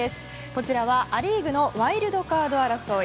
こちらは、ア・リーグのワイルドカード争い。